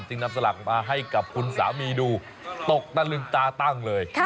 นำสลักมาให้กับคุณสามีดูตกตะลึงตาตั้งเลย